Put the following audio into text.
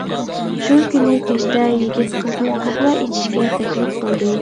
شۇ كۈنى كەچتە يىگىت قىزنى قەھۋە ئىچىشكە تەكلىپ قىلدى.